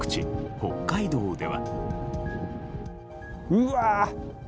北海道では。